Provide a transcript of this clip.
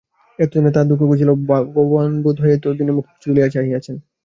এতদিনে তাহার দুঃখ ঘুচিল, ভগবান বোধ হয় এতদিনে মুখ তুলিয়া চাহিয়াছেন।